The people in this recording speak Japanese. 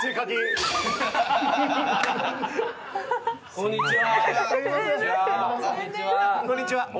こんにちは。